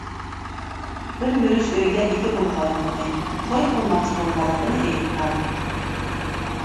بىر يۈرۈش ئۆيگە ئىگە بولغانلىقىنى، توي قىلماقچى بولغانلىقىنى ئېيتقان.